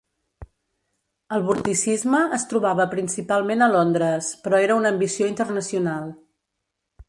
El Vorticisme es trobava principalment a Londres però era una ambició internacional.